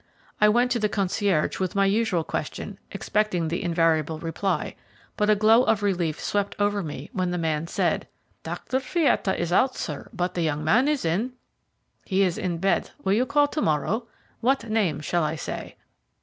I went to the concierge with my usual question, expecting the invariable reply, but a glow of relief swept over me when the man said: "Dr. Fietta is out, sir, but the young man is in. He is in bed will you call to morrow? What name shall I say?"